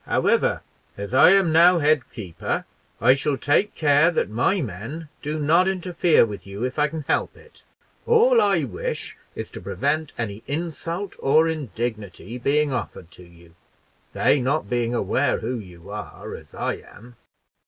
"However, as I am now head keeper, I shall take care that my men do not interfere with you, if I can help it; all I wish is to prevent any insult or indignity being offered to you, they not being aware who you are, as I am."